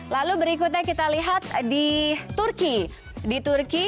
lalu berikutnya kita lihat di turki